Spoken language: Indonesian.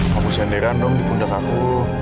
kamu sendiran dong di bunda kaku